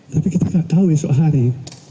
tapi kita nggak tahu esok hari